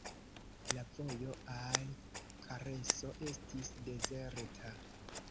La vojo al Kareso estis dezerta.